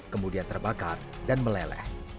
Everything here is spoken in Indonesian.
kemudian terbakar dan meleleh